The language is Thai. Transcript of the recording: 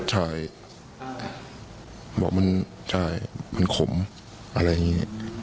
ใช่บอกมันใช่มันขมอะไรอย่างนี้